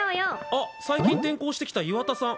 あっ、最近転校してきた岩田さん。